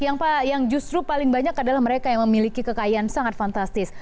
yang justru paling banyak adalah mereka yang memiliki kekayaan sangat fantastis